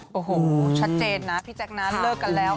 โอ้โหชัดเจนนะพี่แจ๊คนะเลิกกันแล้ว